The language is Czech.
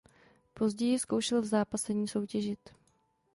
Později zkoušel v zápasení soutěžit.